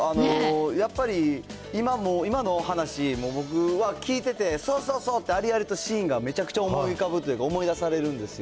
やっぱり今の話も、僕は聞いてて、そうそうそうって、ありありとシーンがめちゃくちゃ思い浮かぶというか、思い出されるんですよ。